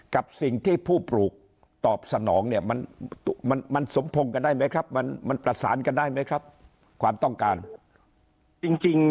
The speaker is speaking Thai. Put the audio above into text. กับสิ่งที่ผู้ปลูกตอบสนองเนี่ยมันมันสมพงษ์กันได้ไหมครับมันมันประสานกันได้ไหมครับความต้องการจริง